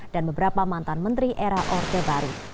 dan beberapa mantan menteri era orde baru